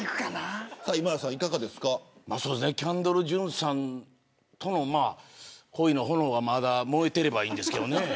キャンドル・ジュンさんとの恋の炎がまだ燃えていればいいんですけどね。